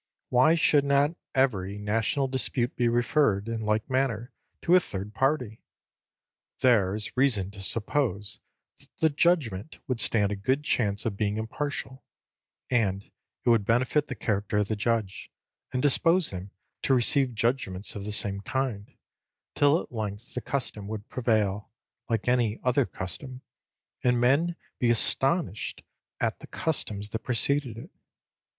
Why should not every national dispute be referred, in like manner, to a third party? There is reason to suppose, that the judgment would stand a good chance of being impartial; and it would benefit the character of the judge, and dispose him to receive judgments of the same kind; till at length the custom would prevail, like any other custom; and men be astonished at the customs that preceded it.